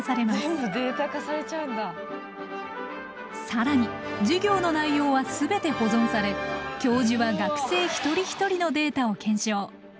更に授業の内容は全て保存され教授は学生一人一人のデータを検証。